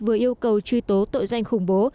vừa yêu cầu truy tố tội danh khủng bố